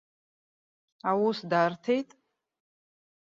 Аус дарҭеит.